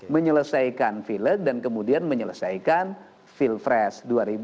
menyelesaikan vilek dan kemudian menyelesaikan pilpres dua ribu sembilan belas